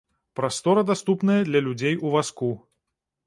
Прастора даступная для людзей у вазку.